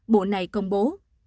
bộ này công bố